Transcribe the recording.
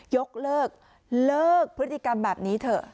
ยกเลิกเลิกพฤติกรรมแบบนี้เถอะ